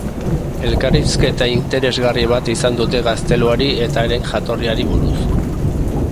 Elkarrizketa interesgarri bat izan dute gazteluari eta haren jatorriari buruz.